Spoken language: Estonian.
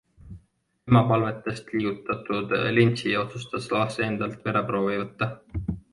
Ema palvetest liigutatud Lindsey otsustas laste endalt vereproovi võtta.